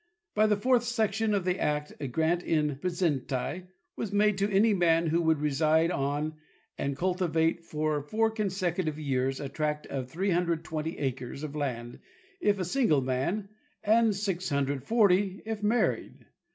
By the fourth section of the act a grant in presenti was made to any man who would reside on and culti vate for four consecutive years a tract of 320 acres of land if a single man and 640 if married.